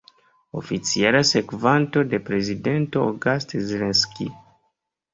Oficiala sekvanto de prezidento August Zaleski.